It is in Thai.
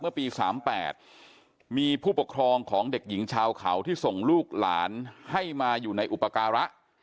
เมื่อปี๓๘มีผู้ปกครองของเด็กหญิงชาวเขาที่ส่งลูกหลานให้มาอยู่ในอุปการะ